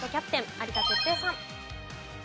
有田哲平さん。